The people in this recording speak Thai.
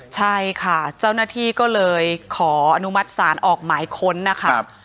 ใช่ค่ะเจ้าหน้าที่ก็เลยขออนุมัติศาลออกหมายค้นนะคะ